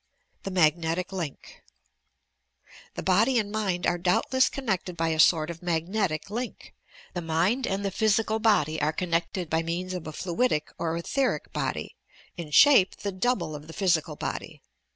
THE "MAONETIC LINK" The body and mind are doubtless connected by a sort of magnetic link. The mind and the physical body are connected by means of a fluidic or etheric body (in shape the double of the physical body).